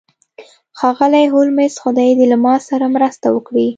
ښاغلی هولمز خدای دې له ما سره مرسته وکړي